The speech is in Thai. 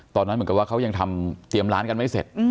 เหมือนกับว่าเขายังทำเตรียมร้านกันไม่เสร็จ